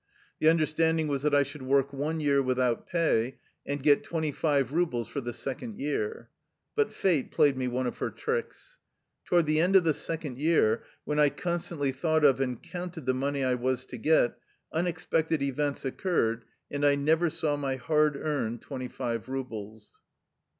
The understanding was that I should work one year without pay, and get twenty five rubles for the second year. But fate played me one of her tricks. Toward the end of the second year, when I constantly thought of and counted the money I was to get, unexpected events occurred, and I never saw my hard earned twenty five rubles.